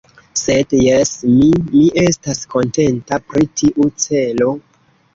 Sed, jes, mi... mi estas kontenta pri tiu celo.